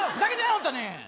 ホントに！